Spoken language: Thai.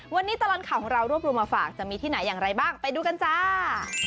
วันนี้ตลอดข่าวของเรารวบรวมมาฝากจะมีที่ไหนอย่างไรบ้างไปดูกันจ้า